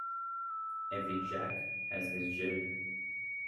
Every Jack has his Jill.